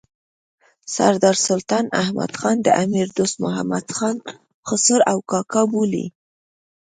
سردار سلطان احمد خان د امیر دوست محمد خان خسر او کاکا بولي.